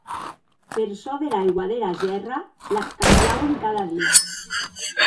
Per çò dera aigua dera gèrra, l'ac cambiauen cada dia.